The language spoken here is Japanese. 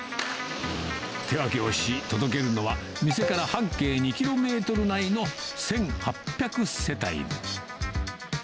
手分けをし、届けるのは、店から半径２キロメートル内の１８００世帯。